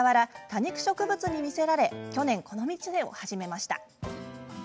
多肉植物に魅せられ去年、この店を始めました。